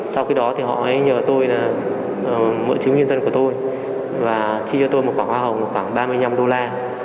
sau khi đó họ nhờ tôi mượn chứng minh nhân dân của tôi và chi cho tôi một khoảng hoa hồng khoảng ba mươi năm đô la